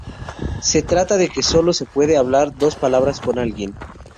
Se trata de que sólo se puede hablar dos palabras con alguien.